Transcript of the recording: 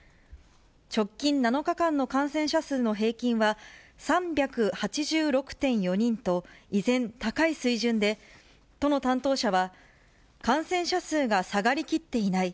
直近７日間の感染者数の平均は、３８６．４人と、依然、高い水準で、都の担当者は、感染者数が下がりきっていない。